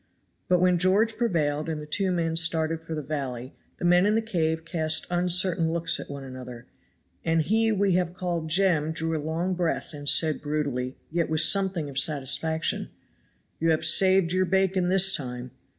But when George prevailed and the two men started for the valley, the men in the cave cast uncertain looks on one another, and he we have called Jem drew a long breath and said brutally, yet with something of satisfaction, "You have saved your bacon this time."